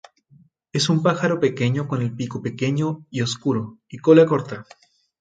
Es un pájaro pequeño con el pico pequeño y oscuro y cola corta.